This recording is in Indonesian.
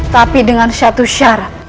tapi dengan satu syarat